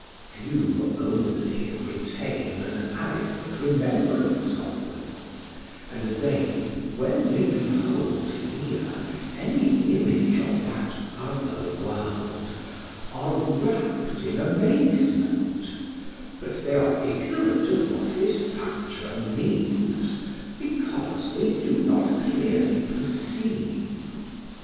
Few only retain an adequate remembrance of them; and they, when they behold here any image of that other world, are rapt in amazement; but they are ignorant of what this rapture means, because they do not clearly perceive.